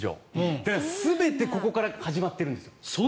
だから全てここから始まってるんですよ。